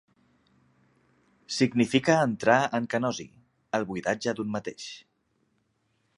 Significa entrar en kenosi: el buidatge d'un mateix.